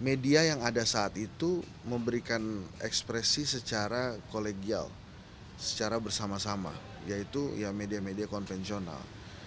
media yang ada saat itu memberikan ekspresi secara kolegial secara bersama sama yaitu media media konvensional